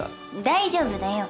大丈夫だよ。